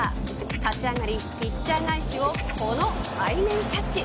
立ち上がり、ピッチャー返しをこの背面キャッチ。